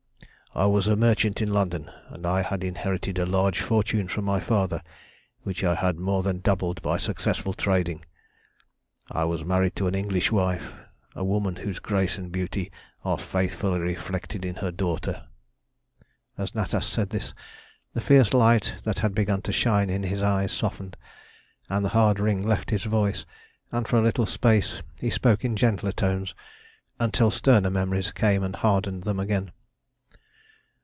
"I was a merchant in London, and I had inherited a large fortune from my father, which I had more than doubled by successful trading. I was married to an English wife, a woman whose grace and beauty are faithfully reflected in her daughter" As Natas said this, the fierce light that had begun to shine in his eyes softened, and the hard ring left his voice, and for a little space he spoke in gentler tones, until sterner memories came and hardened them again.